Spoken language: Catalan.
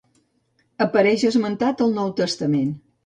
Apareix esmentat al Nou Testament.